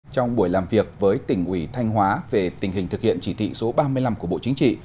trong buổi làm việc với tỉnh ủy thanh hóa về tình hình thực hiện chỉ thị số ba mươi năm của bộ chính trị